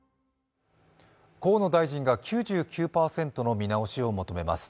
河野大臣が９９％の見直しを求めます。